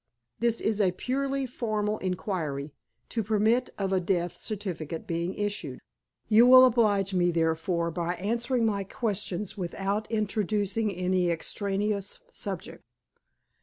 "This is a purely formal inquiry, to permit of a death certificate being issued. You will oblige me, therefore, by answering my questions without introducing any extraneous subject."